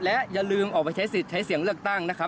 และอย่าลืมออกไปใช้เสียงเลือกตั้งนะครับ